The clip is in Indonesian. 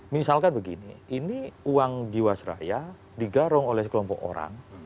misalkan begini ini uang jiwa seraya digarung oleh kelompok orang